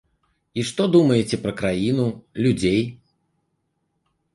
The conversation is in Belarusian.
І што думаеце пра краіну, людзей?